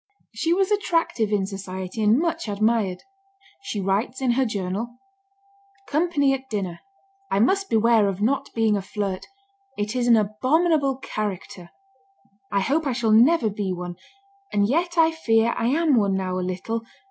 She was attractive in society and much admired. She writes in her journal: "Company at dinner; I must beware of not being a flirt, it is an abominable character; I hope I shall never be one, and yet I fear I am one now a little....